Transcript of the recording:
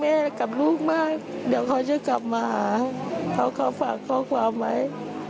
กับลูกมากเดี๋ยวเขาจะกลับมาหาเขาก็ฝากข้อความไว้